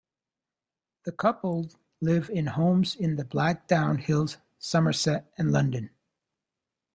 The couple live in homes in the Blackdown Hills, Somerset and London.